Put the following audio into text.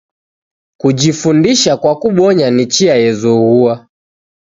Kujifundisha kwa kubonya, ni chia yezoghua.